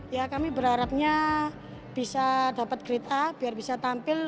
ya kami berharapnya bisa dapat kereta biar bisa tampil